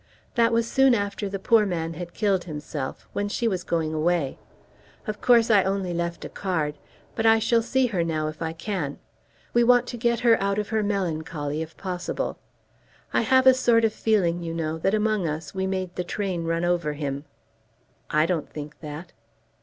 "That was soon after the poor man had killed himself, when she was going away. Of course I only left a card. But I shall see her now if I can. We want to get her out of her melancholy if possible. I have a sort of feeling, you know, that among us we made the train run over him." "I don't think that."